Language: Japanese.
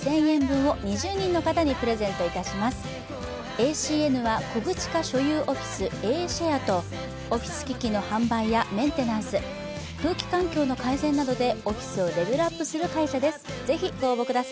ＡＣＮは小口化所有オフィス、Ａシェアとオフィス機器の販売やメンテナンス、空気環境の改善などでオフィスをレベルアップする会社です。